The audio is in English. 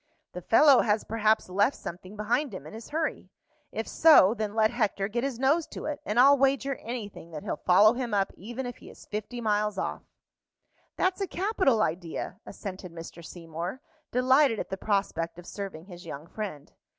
"The fellow has perhaps left something behind him in his hurry; if so, then let Hector get his nose to it, and I'll wager anything that he'll follow him up even if he is fifty miles off." "That's a capital idea," assented Mr. Seymour, delighted at the prospect of serving his young friend.